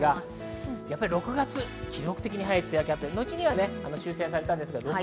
６月、記録的に早い梅雨明けがあって後に修正されました。